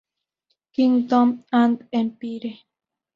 Kingdom and Empire".